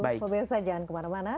pemirsa jangan kemana mana